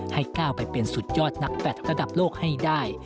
ให้ก้าวไปเป็นสุดยอดนักแฟลตระดับโลกให้ได้